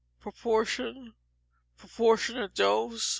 Proportion. Proportionate Dose.